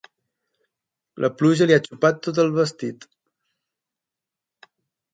La pluja li ha xopat tot el vestit.